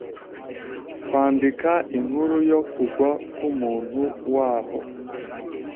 kwandika inkuru yo kugwa k'umuntu waho